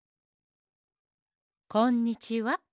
こんにちは。